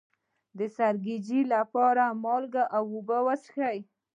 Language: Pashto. د سرګیچي لپاره مالګه او اوبه وڅښئ